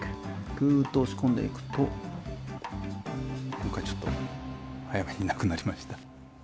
ぐと押し込んでいくと今回ちょっと早めになくなりました。